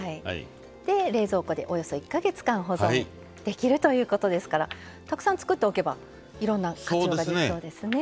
で冷蔵庫でおよそ１か月間保存できるということですからたくさん作っておけばいろんな活用ができそうですね。